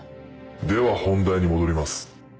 では本題に戻ります。